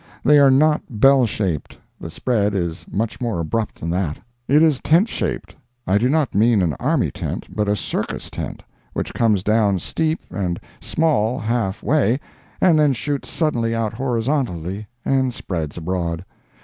They are not bell shaped—the "spread" is much more abrupt than that. It is tent shaped; I do not mean an army tent, but a circus tent—which comes down steep and small half way and then shoots suddenly out horizontally and spreads abroad.